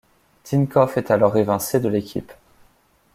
Tinkov est alors évincé de l'équipe.